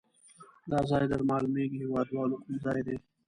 دا ځای در معلومیږي هیواد والو کوم ځای ده؟